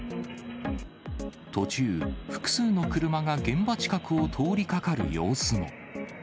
途中、複数の車が現場近くを通りかかる様子も。